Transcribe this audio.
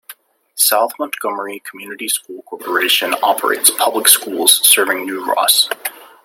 South Montgomery Community School Corporation operates public schools serving New Ross.